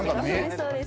そうです